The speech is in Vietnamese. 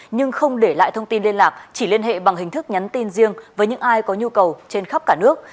nhưng không để lại thông tin liên lạc chỉ liên hệ bằng hình thức nhắn tin riêng với những ai có nhu cầu trên khắp cả nước